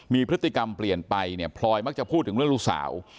มีพฤติกรรมเปลี่ยนไปเนี่ยพลอยมักจะพูดถึงเรื่องลูกสาว